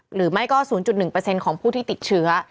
หรือไม่ก็ศูนย์จุดหนึ่งเปอร์เซ็นต์ของผู้ที่ติดเชื้อ